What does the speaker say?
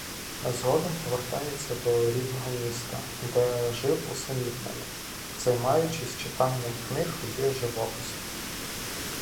Згодом повертається до рідного міста, де жив усамітнено, займаючись читанням книг й живописом.